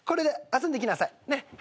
遊んできなさい。